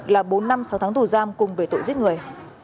là bốn năm sáu tháng tù giam cùng về tội giết người